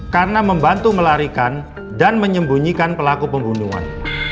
karena membantu melarikan dan menyembunyikan pelaku pembunuhan